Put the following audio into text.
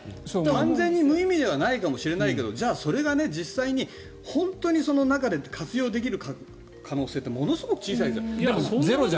完全に無意味ではないかもしれないけどじゃあそれが実際に本当にその中で活用できる可能性ってものすごく小さいんです。